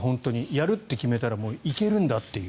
やるって決めたらいけるんだっていう。